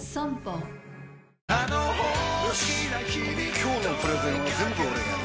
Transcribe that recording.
今日のプレゼンは全部俺がやる！